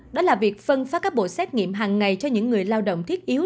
đó là việc phân phát các bộ xét nghiệm hàng ngày cho những người lao động thiết yếu